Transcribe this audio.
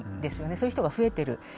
そういう人が増えてる。